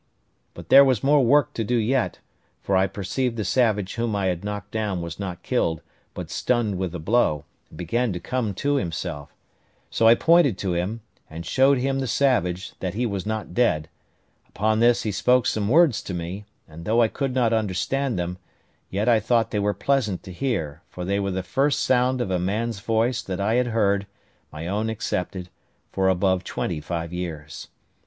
But there was more work to do yet; for I perceived the savage whom I had knocked down was not killed, but stunned with the blow, and began to come to himself: so I pointed to him, and showed him the savage, that he was not dead; upon this he spoke some words to me, and though I could not understand them, yet I thought they were pleasant to hear; for they were the first sound of a man's voice that I had heard, my own excepted, for above twenty five years.